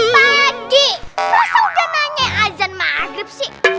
masa udah nanya hazan maghrib sih